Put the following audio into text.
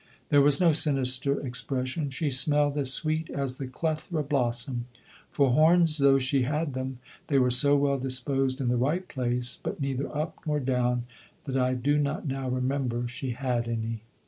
There was no sinister expression. She smelled as sweet as the clethra blossom. For horns, though she had them, they were so well disposed in the right place, but neither up nor down, that I do not now remember she had any."